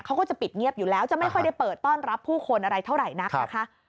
เขาก็จะปิดเงียบอยู่แล้วจะไม่ค่อยได้เปิดต้อนรับผู้คนอะไรเท่าไหร่นักนะคะ